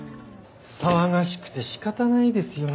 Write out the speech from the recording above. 騒がしくて仕方ないですよね